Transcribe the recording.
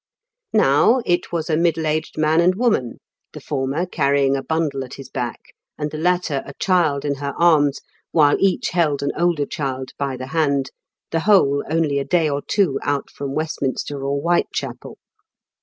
Now it was a middle aged man and woman, the former carrying a bundle at his back, and the latter a child in her arms, while each held an older child by the hand, the whole only a day or two out from West minster or Whitechapel.